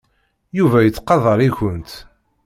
Yuba yettqadar-ikent.